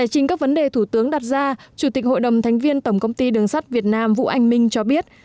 trên các vấn đề thủ tướng đặt ra chủ tịch hội đồng thánh viên tổng công ty đường sắt việt nam vũ anh minh cho biết